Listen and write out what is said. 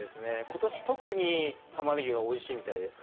ことし特にたまねぎがおいしいみたいです。